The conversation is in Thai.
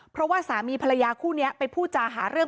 เพราะว่าสามีภรรยาคู่นี้ไปพูดจาหาเรื่อง